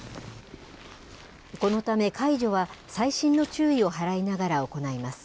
このため、介助は細心の注意を払いながら行います。